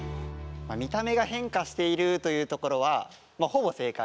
見た目が変化しているというところはほぼ正解。